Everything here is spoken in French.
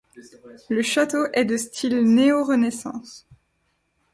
Le château est de style néo-Renaissance.